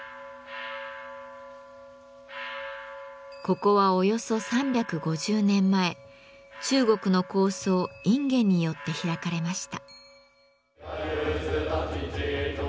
ここはおよそ３５０年前中国の高僧隠元によって開かれました。